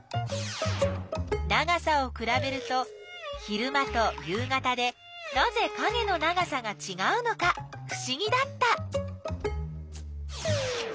長さをくらべると昼間と夕方でなぜかげの長さがちがうのかふしぎだった。